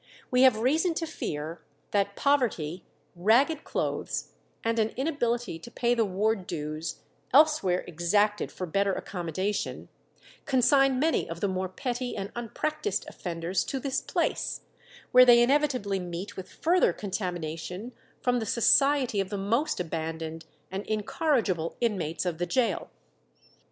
We have reason to fear that poverty, ragged clothes, and an inability to pay the ward dues, elsewhere exacted for better accommodation, consign many of the more petty and unpractised offenders to this place, where they inevitably meet with further contamination from the society of the most abandoned and incorrigible inmates of the gaol."